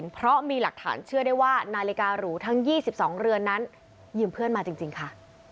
เพราะมีหลักฐานเชื่อได้ว่านาฬิการูทั้ง๒๒เรือนนั้นยืมเพื่อนมาจริงค่ะ